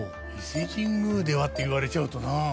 伊勢神宮ではって言われちゃうとなあ。